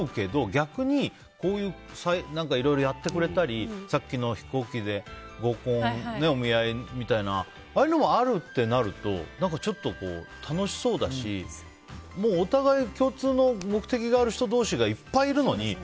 逆にいろいろやってくれたりさっきの飛行機でお見合いみたいなああいうのもあるって考えるとちょっと楽しそうだしお互い共通の目的がある人同士がいっぱいいるのに。